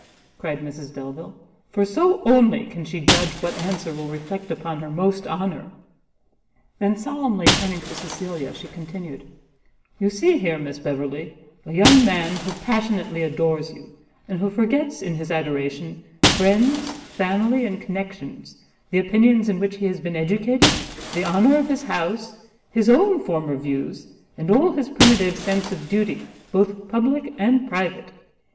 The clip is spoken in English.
cried Mrs Delvile, "for so only can she judge what answer will reflect upon her most honour." Then, solemnly turning to Cecilia, she continued: "You see here, Miss Beverley, a young man who passionately adores you, and who forgets in his adoration friends, family, and connections, the opinions in which he has been educated, the honour of his house, his own former views, and all his primitive sense of duty, both public and private!